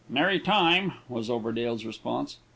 "Nary time," was Overdale's response.